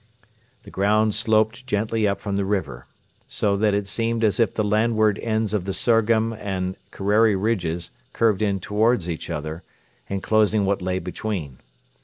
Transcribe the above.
The ground sloped gently up from the river; so that it seemed as if the landward ends of the Surgham and Kerreri ridges curved in towards each other, enclosing what lay between.